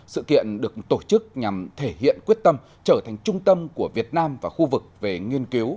sự kiện được tổ chức nhằm thể hiện quyết tâm trở thành trung tâm của việt nam và khu vực về nghiên cứu